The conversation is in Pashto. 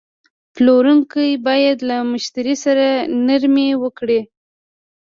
پلورونکی باید له مشتری سره نرمي وکړي.